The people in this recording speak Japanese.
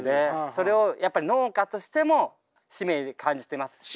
それをやっぱ農家としても使命感じてますし。